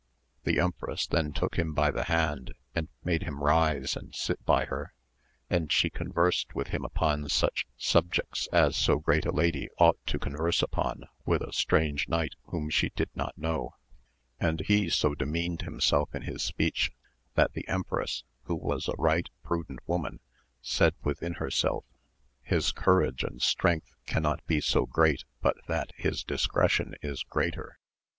The empress then took him by the hand and made him rise and sit by her, and she conversed with him upon such subjects as so great a lady ought to converse upon AMADIS OF GAUL, 293 with a strange knight whom she did not know, and he so demeaned himself in his speech that the empress, who was a right prudent women, said within herself, his courage and strength cannot be so great but that his discretion is greater.